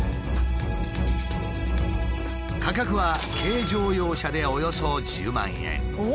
価格は軽乗用車でおよそ１０万円。